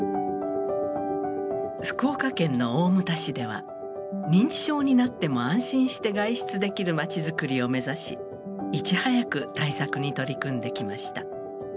福岡県の大牟田市では認知症になっても安心して外出できるまちづくりを目指しいち早く対策に取り組んできました。